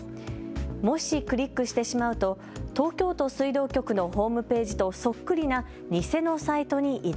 もしクリックしてしまうと東京都水道局のホームページとそっくりな偽のサイトに移動。